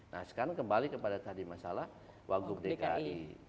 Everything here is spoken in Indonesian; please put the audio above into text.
nah sekarang kembali kepada tadi masalah wagub dki